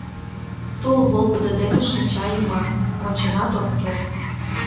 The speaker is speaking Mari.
Тул волгыдо дене шинча йыма, онченат ок керт.